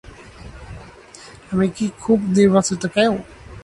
আমি কি খুব নির্বাচিত কেউ?